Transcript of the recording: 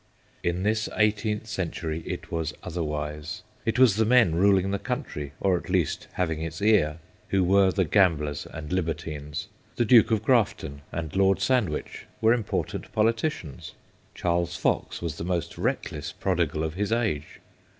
In this eighteenth century it was other wise. It was the men ruling the country, or at least having its ear, who were the gamblers and libertines. The Duke of Grafton and Lord Sandwich were important politicians ; Charles Fox was the most reck less prodigal of his age.